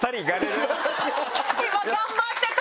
今頑張ってた。